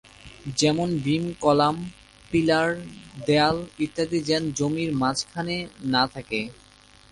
যেমন beam column, pillar, দেওয়াল ইত্যাদি যেন জমির মাঝখানে না থাকে।